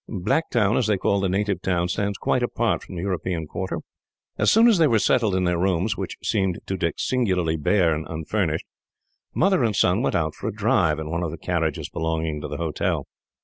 Blacktown, as they call the native town, stands quite apart from the European quarter." As soon as they were settled in their rooms, which seemed to Dick singularly bare and unfurnished, mother and son went out for a drive, in one of the carriages belonging to the hotel.